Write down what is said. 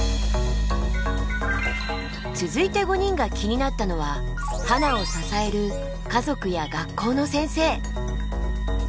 続いて５人が気になったのはハナを支える家族や学校の先生。